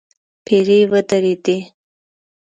پيرې ودرېدې.